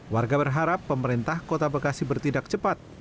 warga berharap pemerintah kota bekasi bertindak cepat